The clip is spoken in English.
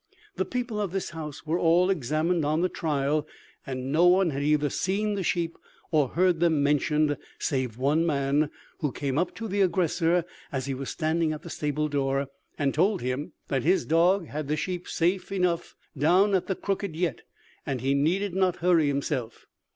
The people of this house were all examined on the trial, and no one had either seen the sheep or heard them mentioned, save one man, who came up to the aggressor as he was standing at the stable door, and told him that his dog had the sheep safe enough down at the Crooked Yett, and he needed not hurry himself.